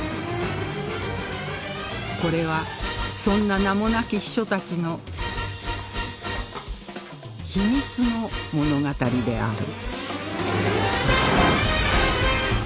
これはそんな名もなき秘書たちの秘密の物語である